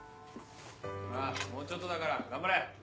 ほらもうちょっとだから頑張れ。